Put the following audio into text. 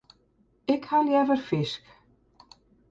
Ik ha leaver fisk.